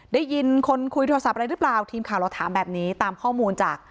ได้ยินคนคุยโทรศัพท์อะไรหรือเปล่าทีมข่าวเราถามแบบนี้ตามข้อมูลจาก